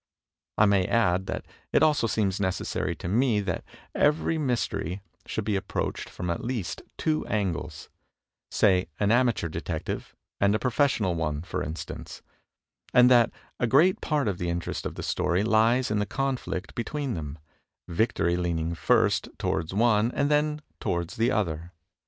I may add that it also seems neces sary to me that every mystery should be approached from at least two angles; say, an amateur detective and a profes sional one, for instance; and that a great part of the interest of the story lies in the conflict between them, victory leaning first toward one and then toward the other.